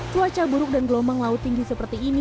cuaca buruk dan gelombang laut tinggi seperti ini